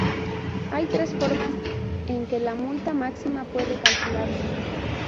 Hay tres formas en que la multa máxima puede calcularse.